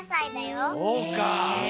そうか。